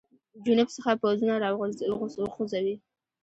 جنوب څخه پوځونه را وخوځوي.